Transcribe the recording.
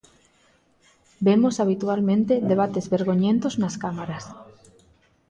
Vemos habitualmente debates vergoñentos nas cámaras.